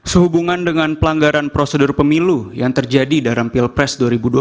sehubungan dengan pelanggaran prosedur pemilu yang terjadi dalam pilpres dua ribu dua puluh